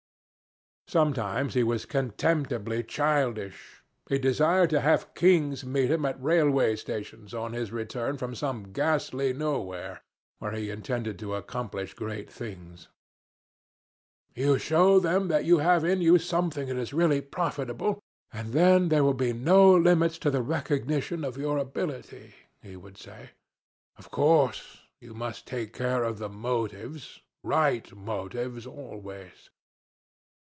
"Sometimes he was contemptibly childish. He desired to have kings meet him at railway stations on his return from some ghastly Nowhere, where he intended to accomplish great things. 'You show them you have in you something that is really profitable, and then there will be no limits to the recognition of your ability,' he would say. 'Of course you must take care of the motives right motives always.'